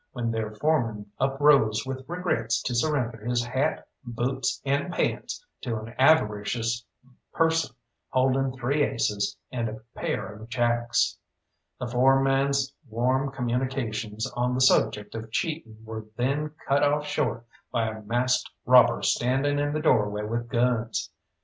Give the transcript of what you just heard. when their foreman uprose with regrets to surrender his hat, boots, and pants to an avaricious person holding three aces and a pair of jacks. The foreman's warm communications on the subject of cheating were then cut off short by a masked robber standing in the doorway with guns.